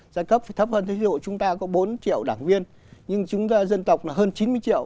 giai cấp phải thấp hơn ví dụ chúng ta có bốn triệu đảng viên nhưng chúng ta dân tộc là hơn chín mươi triệu